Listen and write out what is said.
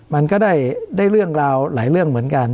มันก็ได้เรื่องราวหลายเรื่องเหมือนกัน